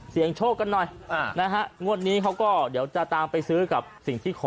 โชคกันหน่อยนะฮะงวดนี้เขาก็เดี๋ยวจะตามไปซื้อกับสิ่งที่ขอ